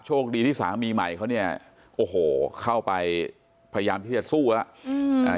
คดีที่สามีใหม่เขาเนี่ยโอ้โหเข้าไปพยายามที่จะสู้แล้ว